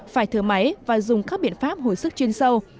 phải thở máy và dùng các biện pháp hồi sức chuyên sâu